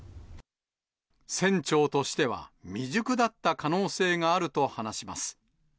船長としては未熟だった可能性があると話します。